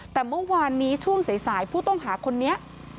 แต่เมื่อวานนี้ช่วงสายผู้ต้องหาคนนี้